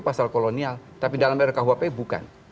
pasal kolonial tapi dalam rkuhp bukan